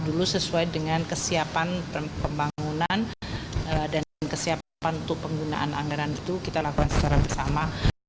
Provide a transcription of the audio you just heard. dulu sesuai dengan kesiapan pembangunan dan kesiapan untuk penggunaan anggaran itu kita lakukan secara bersama